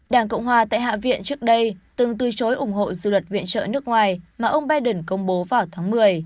đảng cộng hòa tại hạ viện trước đây từng từ chối ủng hộ dự luật viện trợ nước ngoài mà ông biden công bố vào tháng một mươi